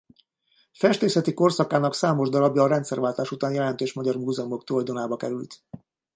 Festészeti korszakának számos darabja a rendszerváltás után jelentős magyar múzeumok tulajdonába került.